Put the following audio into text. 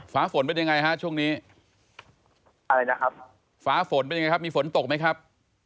ฟ้าฝนเป็นยังไงฮะช่วงนี้อะไรนะครับฟ้าฝนเป็นยังไงครับมีฝนตกไหมครับ